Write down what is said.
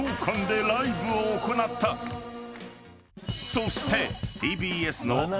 ［そして］